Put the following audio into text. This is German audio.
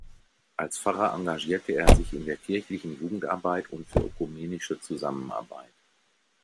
Als Pfarrer engagierte er sich in der kirchlichen Jugendarbeit und für ökumenische Zusammenarbeit.